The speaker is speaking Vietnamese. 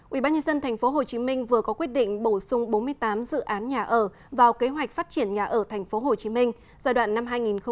ubnd tp hcm vừa có quyết định bổ sung bốn mươi tám dự án nhà ở vào kế hoạch phát triển nhà ở tp hcm giai đoạn năm hai nghìn một mươi hai nghìn hai mươi